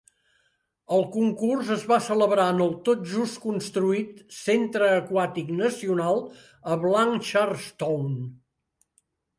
El concurs es va celebrar en el tot just construït Centre Aquàtic Nacional a Blanchardstown.